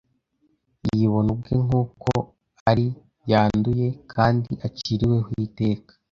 Yibona ubwe nk’uko ari, yanduye kandi aciriweho iteka